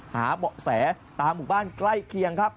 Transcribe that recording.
หาบแสตามบ้านใกล้เคียงครับ